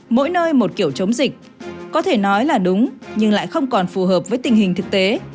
mỗi nơi một kiểu chống dịch có thể nói là đúng nhưng lại không còn phù hợp với tình hình thực tế